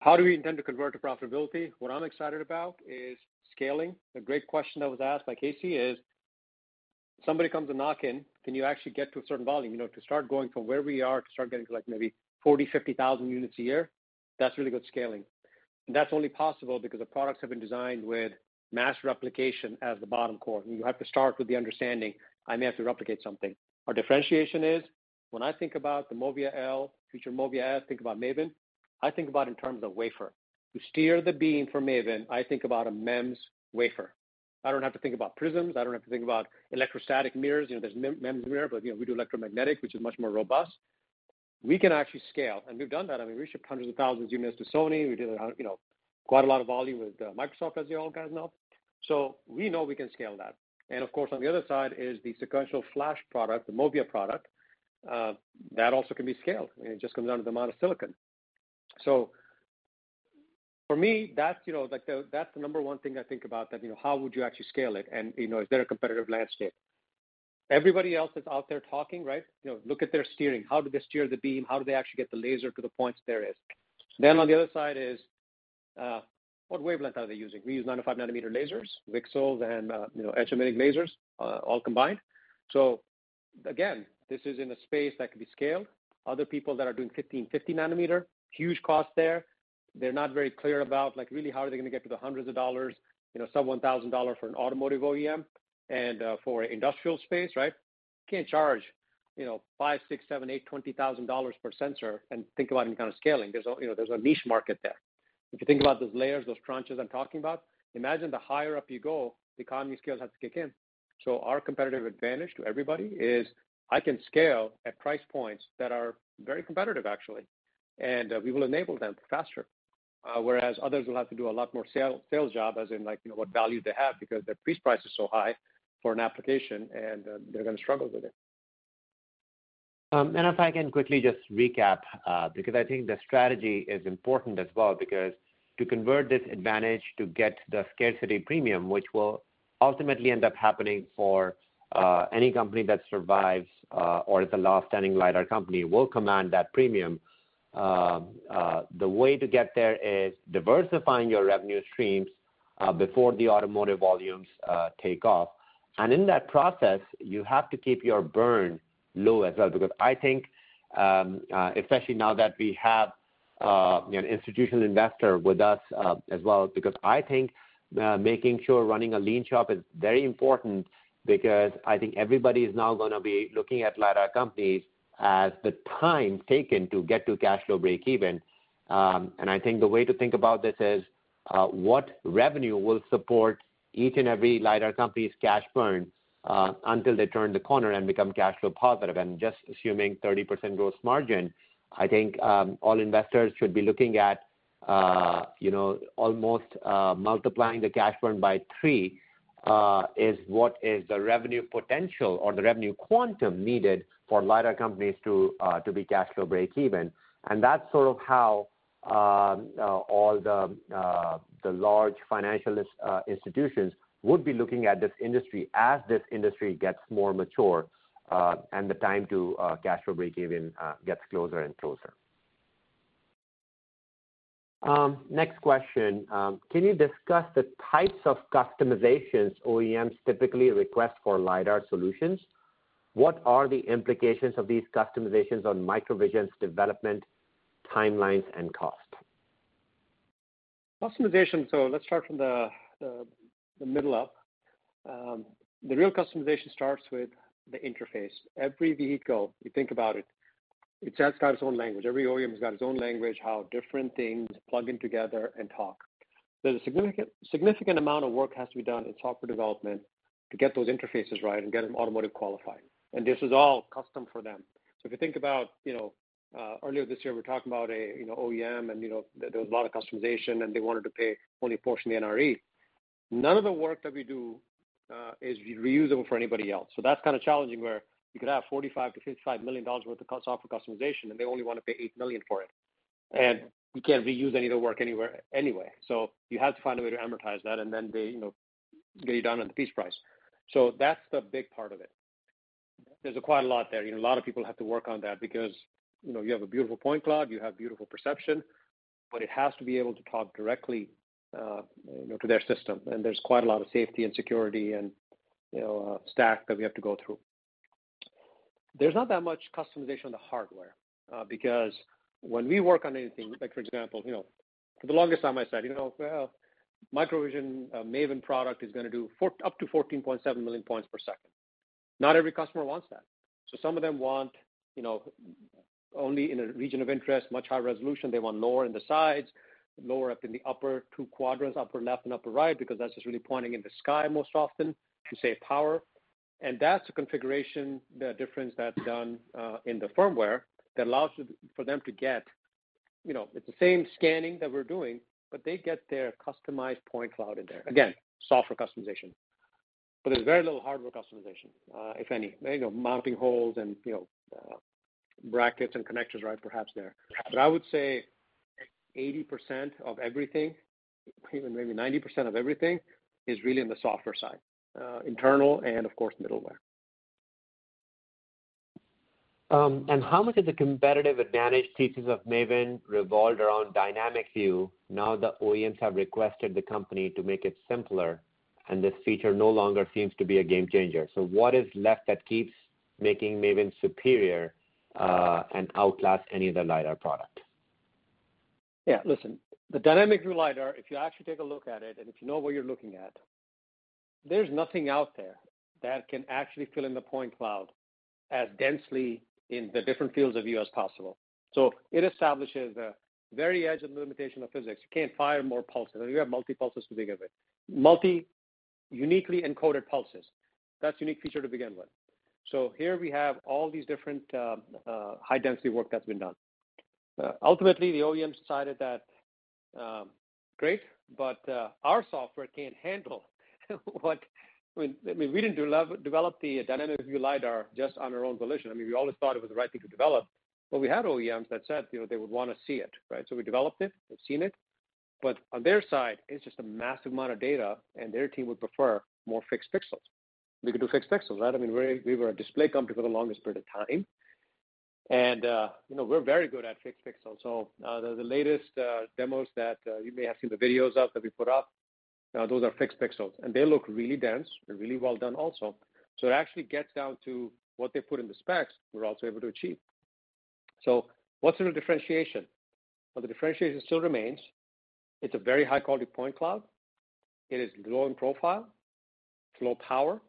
How do we intend to convert to profitability? What I'm excited about is scaling. A great question that was asked by Casey is, if somebody comes and knocks in, can you actually get to a certain volume to start going from where we are to start getting to maybe 40,000, 50,000 units a year? That's really good scaling, and that's only possible because the products have been designed with mass replication as the bottom corner. You have to start with the understanding, "I may have to replicate something." Our differentiation is, when I think about the M L, future MOVIA S, think about MAVEN, I think about it in terms of wafer. To steer the beam for MAVEN, I think about a MEMS wafer. I don't have to think about prisms. I don't have to think about electrostatic mirrors. There's MEMS mirror, but we do electromagnetic, which is much more robust. We can actually scale, and we've done that. I mean, we ship hundreds of thousands of units to Sony. We did quite a lot of volume with Microsoft, as you all guys know. So we know we can scale that. And of course, on the other side is the sequential flash product, the Movia product, that also can be scaled. It just comes down to the amount of silicon. So for me, that's the number one thing I think about, that how would you actually scale it, and is there a competitive landscape? Everybody else that's out there talking, right? Look at their steering. How do they steer the beam? How do they actually get the laser to the points there is? Then on the other side is, what wavelength are they using? We use 95-nanometer lasers, VCSELs, and edge-emitting lasers, all combined. So again, this is in a space that can be scaled. Other people that are doing 1550-nanometer, huge cost there. They're not very clear about really how are they going to get to the hundreds of dollars, sub-$1,000 for an automotive OEM and for industrial space, right? You can't charge five, six, seven, eight, $20,000 per sensor and think about any kind of scaling. There's a niche market there. If you think about those layers, those tranches I'm talking about, imagine the higher up you go, the economy scale has to kick in. So our competitive advantage to everybody is I can scale at price points that are very competitive, actually, and we will enable them faster, whereas others will have to do a lot more sales job, as in what value they have because their piece price is so high for an application, and they're going to struggle with it. If I can quickly just recap, because I think the strategy is important as well, because to convert this advantage to get the scarcity premium, which will ultimately end up happening for any company that survives or is a last standing LiDAR company, will command that premium. The way to get there is diversifying your revenue streams before the automotive volumes take off. In that process, you have to keep your burn low as well, because I think, especially now that we have an institutional investor with us as well, because I think making sure running a lean shop is very important, because I think everybody is now going to be looking at LiDAR companies as the time taken to get to cash flow breakeven. And I think the way to think about this is what revenue will support each and every LiDAR company's cash burn until they turn the corner and become cash flow positive. And just assuming 30% gross margin, I think all investors should be looking at almost multiplying the cash burn by three is what is the revenue potential or the revenue quantum needed for LiDAR companies to be cash flow breakeven. And that's sort of how all the large financial institutions would be looking at this industry as this industry gets more mature and the time to cash flow breakeven gets closer and closer. Next question. Can you discuss the types of customizations OEMs typically request for LiDAR solutions? What are the implications of these customizations on MicroVision's development timelines and cost? Customization, so let's start from the middle up. The real customization starts with the interface. Every vehicle, you think about it, it's got its own language. Every OEM has got its own language how different things plug in together and talk. There's a significant amount of work that has to be done in software development to get those interfaces right and get them automotive qualified. And this is all custom for them. So if you think about earlier this year, we were talking about an OEM, and there was a lot of customization, and they wanted to pay only a portion of the NRE. None of the work that we do is reusable for anybody else. So that's kind of challenging where you could have $45-$55 million worth of software customization, and they only want to pay $8 million for it. And you can't reuse any of the work anywhere anyway. So you have to find a way to amortize that, and then they get you down at the piece price. So that's the big part of it. There's quite a lot there. A lot of people have to work on that because you have a beautiful point cloud, you have beautiful perception, but it has to be able to talk directly to their system. And there's quite a lot of safety and security and stack that we have to go through. There's not that much customization on the hardware because when we work on anything, for example, for the longest time, I said, "Well, MicroVision MAVEN product is going to do up to 14.7 million points per second." Not every customer wants that. So some of them want only in a region of interest, much higher resolution. They want lower in the sides, lower up in the upper two quadrants, upper left and upper right, because that's just really pointing in the sky most often to save power. And that's a configuration, the difference that's done in the firmware that allows for them to get. It's the same scanning that we're doing, but they get their customized point cloud in there. Again, software customization, but there's very little hardware customization, if any. Mounting holes and brackets and connectors, right, perhaps there. But I would say 80% of everything, maybe 90% of everything is really on the software side, internal and, of course, middleware. And how much of the competitive advantage pieces of MAVEN revolved around Dynamic View? Now the OEMs have requested the company to make it simpler, and this feature no longer seems to be a game changer. So what is left that keeps making MAVEN superior and outclass any other LiDAR product? Yeah. Listen, the Dynamic View LiDAR, if you actually take a look at it and if you know what you're looking at, there's nothing out there that can actually fill in the point cloud as densely in the different fields of view as possible. So it establishes a very edge of limitation of physics. You can't fire more pulses. You have multi-pulses to begin with, multi-uniquely encoded pulses. That's a unique feature to begin with. So here we have all these different high-density work that's been done. Ultimately, the OEMs decided that, "Great, but our software can't handle what." I mean, we didn't develop the Dynamic View LiDAR just on our own volition. I mean, we always thought it was the right thing to develop, but we had OEMs that said they would want to see it, right? So we developed it. They've seen it. But on their side, it's just a massive amount of data, and their team would prefer more fixed pixels. We could do fixed pixels, right? I mean, we were a display company for the longest period of time, and we're very good at fixed pixels. So the latest demos that you may have seen the videos of that we put up, those are fixed pixels, and they look really dense and really well done also. So it actually gets down to what they put in the specs we're also able to achieve. So what's the differentiation? Well, the differentiation still remains. It's a very high-quality point cloud. It is low in profile, it's low power,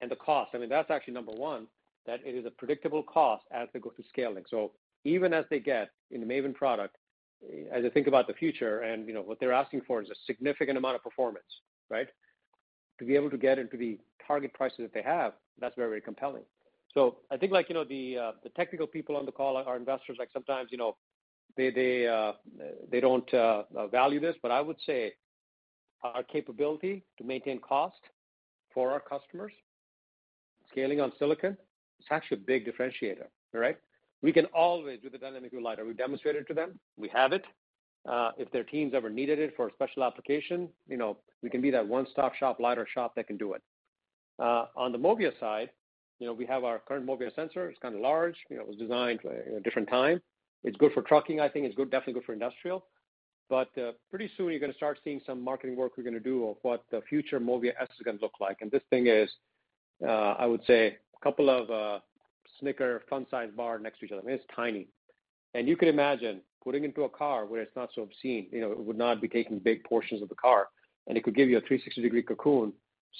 and the cost. I mean, that's actually number one, that it is a predictable cost as they go through scaling. So even as they get in the MAVEN product, as they think about the future, and what they're asking for is a significant amount of performance, right? To be able to get into the target prices that they have, that's very, very compelling. So I think the technical people on the call are investors. Sometimes they don't value this, but I would say our capability to maintain cost for our customers, scaling on silicon, it's actually a big differentiator, right? We can always do the Dynamic View LiDAR. We demonstrate it to them. We have it. If their teams ever needed it for a special application, we can be that one-stop-shop LiDAR shop that can do it. On the Movia side, we have our current Movia sensor. It's kind of large. It was designed for a different time. It's good for trucking, I think. It's definitely good for industrial. But pretty soon, you're going to start seeing some marketing work we're going to do of what the future Movia S is going to look like. And this thing is, I would say, a couple of Snickers fun-sized bars next to each other. It's tiny. And you could imagine putting it into a car where it's not so obscene. It would not be taking big portions of the car, and it could give you a 360-degree cocoon,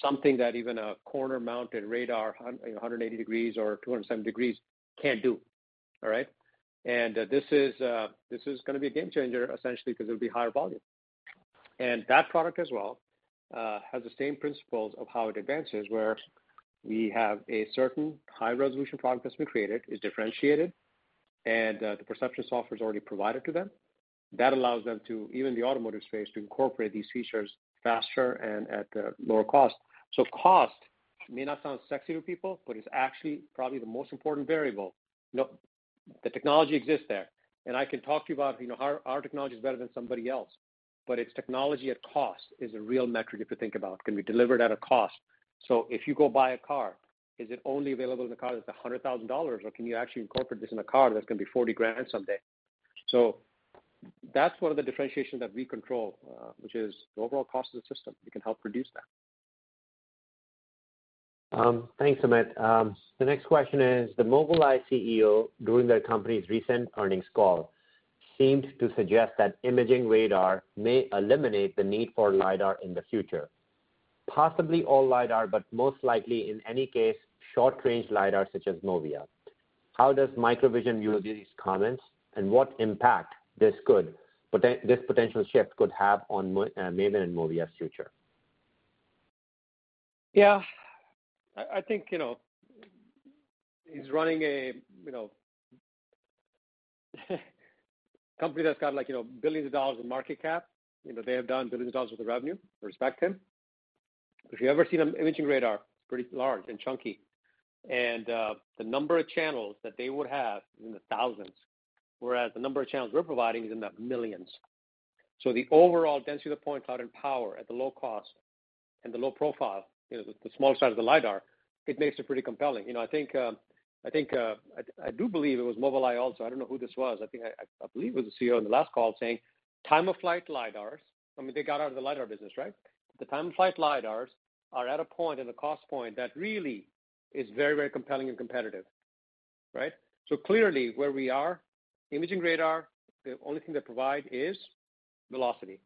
something that even a corner-mounted radar 180 degrees or 270 degrees can't do, all right? And this is going to be a game changer, essentially, because it'll be higher volume. And that product as well has the same principles of how it advances, where we have a certain high-resolution product that's been created, is differentiated, and the perception software is already provided to them. That allows them to, even the automotive space, to incorporate these features faster and at lower cost. So cost may not sound sexy to people, but it's actually probably the most important variable. The technology exists there. And I can talk to you about how our technology is better than somebody else, but its technology at cost is a real metric if you think about it. Can we deliver that at cost? So if you go buy a car, is it only available in a car that's $100,000, or can you actually incorporate this in a car that's going to be 40 grand someday? So that's one of the differentiations that we control, which is the overall cost of the system. We can help reduce that. Thanks, Sumit. The next question is, the Mobileye CEO, during their company's recent earnings call, seemed to suggest that imaging radar may eliminate the need for LiDAR in the future, possibly all LiDAR, but most likely, in any case, short-range LiDAR such as Movia. How does MicroVision view these comments, and what impact this potential shift could have on MAVEN and MOVIA's future? Yeah. I think he's running a company that's got billions of dollars in market cap. They have done billions of dollars with the revenue. We respect him. If you've ever seen an imaging radar, it's pretty large and chunky. And the number of channels that they would have is in the thousands, whereas the number of channels we're providing is in the millions. So the overall density of the point cloud and power at the low cost and the low profile, the small size of the LiDAR, it makes it pretty compelling. I think I do believe it was Mobileye also. I don't know who this was. I believe it was the CEO on the last call saying, "Time-of-flight LiDARs." I mean, they got out of the LiDAR business, right? The time-of-flight LiDARs are at a point in the cost point that really is very, very compelling and competitive, right? So clearly, where we are, imaging radar, the only thing they provide is velocity.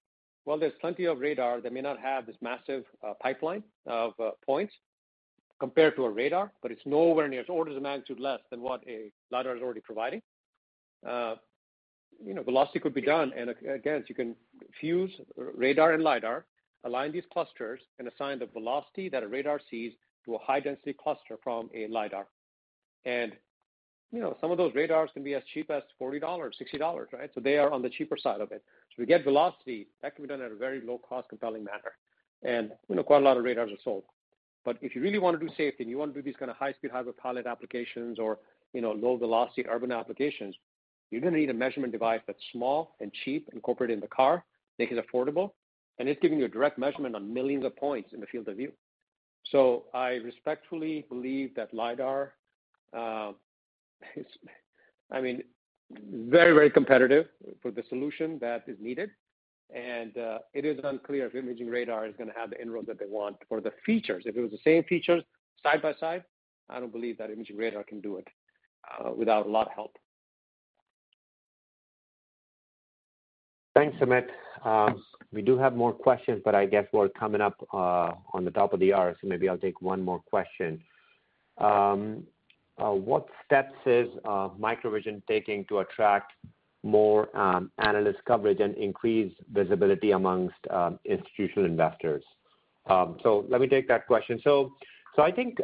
Well, there's plenty of radar that may not have this massive pipeline of points compared to a radar, but it's nowhere near as orders of magnitude less than what a LiDAR is already providing. Velocity could be done. And again, you can fuse radar and LiDAR, align these clusters, and assign the velocity that a radar sees to a high-density cluster from a LiDAR. And some of those radars can be as cheap as $40, $60, right? So they are on the cheaper side of it. So if you get velocity, that can be done at a very low-cost, compelling manner. And quite a lot of radars are sold. But if you really want to do safety and you want to do these kind of high-speed, high-pilot applications or low-velocity urban applications, you're going to need a measurement device that's small and cheap, incorporated in the car, make it affordable, and it's giving you a direct measurement on millions of points in the field of view. So I respectfully believe that LiDAR is, I mean, very, very competitive for the solution that is needed. And it is unclear if imaging radar is going to have the inroads that they want for the features. If it was the same features side by side, I don't believe that imaging radar can do it without a lot of help. Thanks, Sumit. We do have more questions, but I guess we're coming up on the top of the hour, so maybe I'll take one more question. What steps is MicroVision taking to attract more analyst coverage and increase visibility among institutional investors? So let me take that question. So I think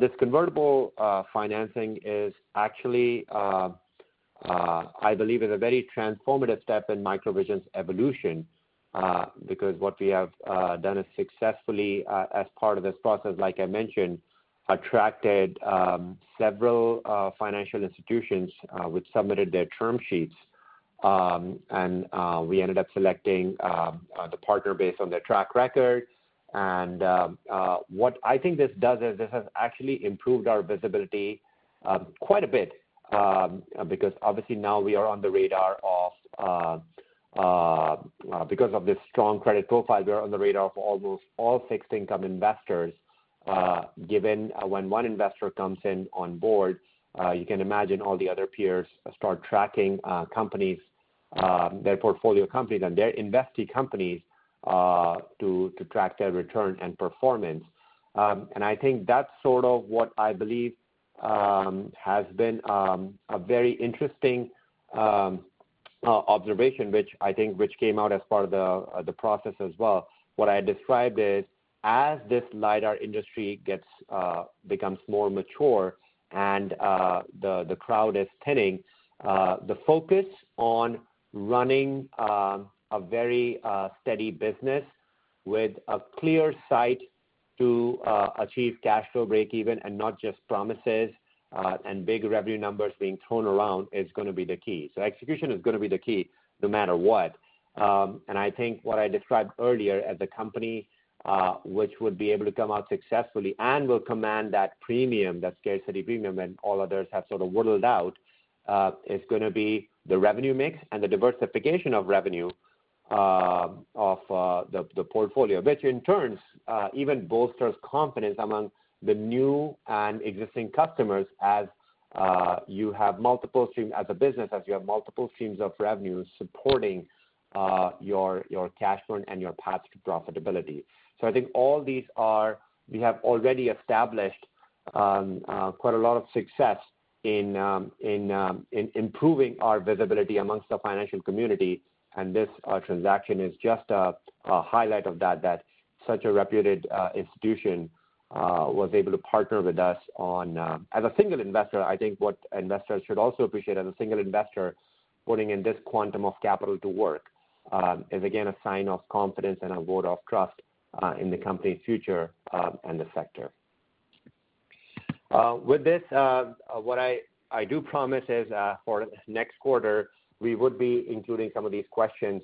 this convertible financing is actually, I believe, a very transformative step in MicroVision's evolution because what we have done is successfully, as part of this process, like I mentioned, attracted several financial institutions which submitted their term sheets. And we ended up selecting the partner based on their track record. And what I think this does is this has actually improved our visibility quite a bit because, obviously, now we are on the radar of, because of this strong credit profile, we are on the radar of almost all fixed-income investors. Given when one investor comes in on board, you can imagine all the other peers start tracking companies, their portfolio companies, and their investee companies to track their return and performance. And I think that's sort of what I believe has been a very interesting observation, which I think came out as part of the process as well. What I described is, as this LiDAR industry becomes more mature and the crowd is thinning, the focus on running a very steady business with a clear sight to achieve cash flow break-even and not just promises and big revenue numbers being thrown around is going to be the key. So execution is going to be the key no matter what. And I think what I described earlier as a company which would be able to come out successfully and will command that premium, that scarcity premium when all others have sort of whittled out, is going to be the revenue mix and the diversification of revenue of the portfolio, which in turn even bolsters confidence among the new and existing customers as you have multiple streams as a business, as you have multiple streams of revenue supporting your cash burn and your path to profitability. So I think all these are we have already established quite a lot of success in improving our visibility among the financial community. And this transaction is just a highlight of that, that such a reputed institution was able to partner with us on, as a single investor. I think what investors should also appreciate as a single investor putting in this quantum of capital to work is, again, a sign of confidence and a vote of trust in the company's future and the sector. With this, what I do promise is for next quarter, we would be including some of these questions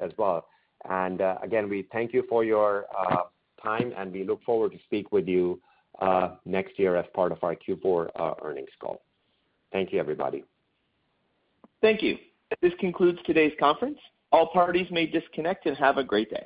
as well. And again, we thank you for your time, and we look forward to speaking with you next year as part of our Q4 earnings call. Thank you, everybody. Thank you. This concludes today's conference. All parties may disconnect and have a great day.